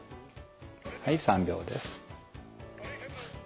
はい３秒です。